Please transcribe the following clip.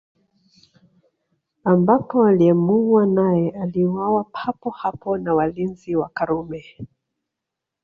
Ambapo aliyemuua naye aliuawa papo hapo na walinzi wa Karume